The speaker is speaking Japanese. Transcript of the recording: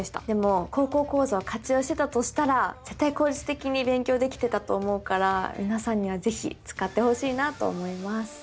でも「高校講座」を活用してたとしたら絶対効率的に勉強できてたと思うから皆さんには是非使ってほしいなと思います。